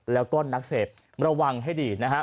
แล้วก็นักเสพระวังให้ดีนะฮะ